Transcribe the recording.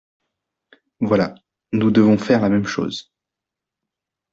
Voilà, nous devons faire la même chose.